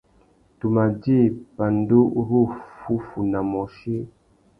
Tu mà djï pandúruffúffuna môchï.